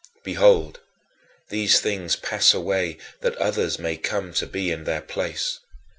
Behold, these things pass away that others may come to be in their place.